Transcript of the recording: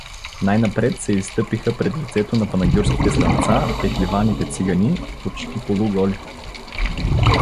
Най-напред се изстъпиха пред лицето на панагюрските слънца пехливаните цигани, почти полуголи.